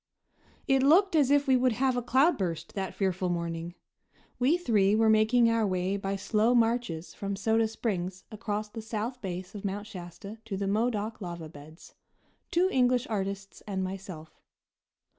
It looked as if we would have a cloudburst that fearful morning. We three were making our way by slow marches from Soda Springs across the south base of Mount Shasta to the Modoc lava beds two English artists and myself.